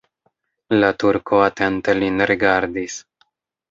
La turko atente lin rigardis.